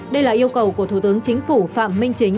đây là yêu cầu của thủ tướng chính phủ phạm minh chính